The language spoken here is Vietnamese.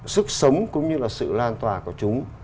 sức sống cũng như là sự lan tỏa của chúng